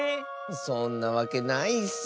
そんなわけないッス！